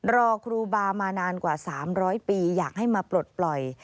รอครูบามานานกว่า๓๐๐ปีอยากให้มาปลดปล่อย